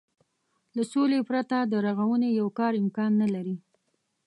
له سولې پرته د رغونې يو کار امکان نه لري.